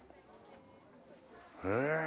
へえ。